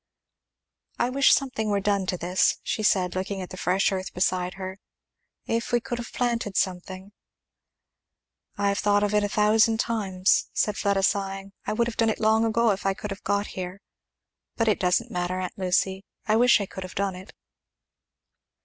"I wish something were done to this," she said, looking at the fresh earth beside her; "if we could have planted something " "I have thought of it a thousand times," said Fleda sighing; I would have done it long ago if I could have got here; but it doesn't matter, aunt Lucy, I wish I could have done it."